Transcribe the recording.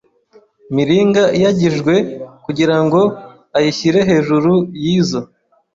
miringa iyagijwe kugira ngo ayishyire hejuru y izo